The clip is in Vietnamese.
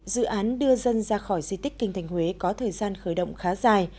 dự án đưa dân ra khỏi di tích kinh thành huế có thời gian khởi động khá dài